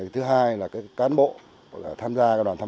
thứ hai là cán bộ tham gia đoàn tham quan